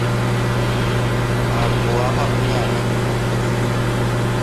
Ntabwo waha umwana imbunda, sibyo?